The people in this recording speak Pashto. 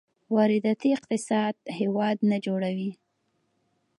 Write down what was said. وارداتي اقتصاد هېواد نه جوړوي.